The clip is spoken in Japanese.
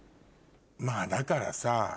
まぁだからさ